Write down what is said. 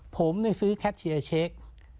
ผมซื้อแคทเชียร์เช็ค